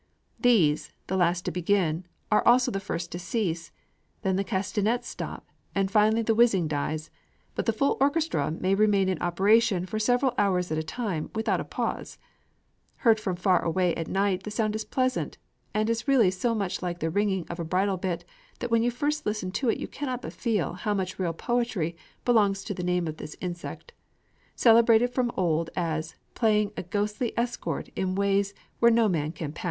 These, the last to begin, are also the first to cease; then the castanets stop; and finally the whizzing dies; but the full orchestra may remain in operation for several hours at a time, without a pause. Heard from far away at night the sound is pleasant, and is really so much like the ringing of a bridle bit, that when you first listen to it you cannot but feel how much real poetry belongs to the name of this insect, celebrated from of old as "playing at ghostly escort in ways where no man can pass."